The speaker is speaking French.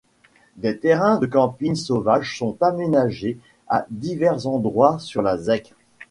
Des terrains de camping sauvage sont aménagés à divers endroits sur la zec.